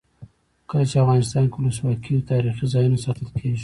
کله چې افغانستان کې ولسواکي وي تاریخي ځایونه ساتل کیږي.